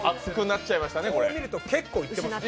こう見ると、結構いってますね。